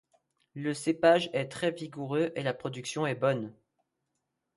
Le cépage est très vigoureux et la production est bonne.